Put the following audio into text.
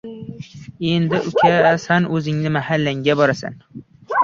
— Endi, uka, san o‘zimizning mahallani bolasisan.